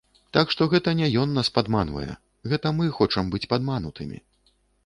Так што гэта не ён нас падманвае, гэта мы хочам быць падманутымі.